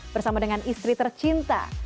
bersama dengan istri tercinta